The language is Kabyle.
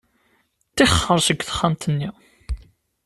Ṭixer seg texxamt-nni.